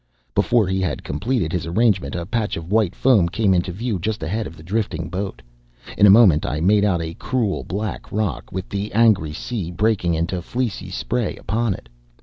Before he had completed his arrangements, a patch of white foam came into view just ahead of the drifting boat. In a moment I made out a cruel black rock, with the angry sea breaking into fleecy spray upon it.